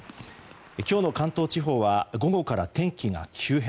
今日の関東地方は午後から天気が急変。